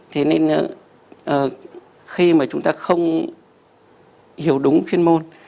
thế nên khi mà chúng ta không hiểu đúng chuyên môn